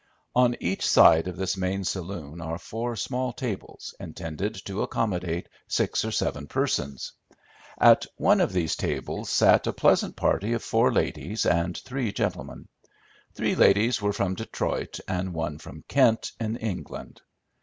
On each side of this main saloon are four small tables intended to accommodate six or seven persons. At one of these tables sat a pleasant party of four ladies and three gentlemen. Three ladies were from Detroit, and one from Kent, in England.